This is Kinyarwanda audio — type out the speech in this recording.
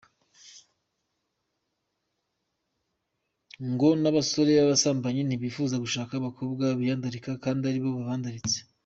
Ngo n’abasore b’abasambanyi ntibifuza gushaka abakobwa biyandaritse kandi ari bo babandaritse.